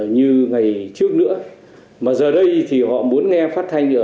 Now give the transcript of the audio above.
nhưng họ giờ đây thì họ muốn nghe phát thanh ở bất kì đâu